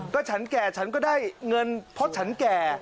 ก็ฉันแก่ฉันก็ได้เงินเพราะฉันแก่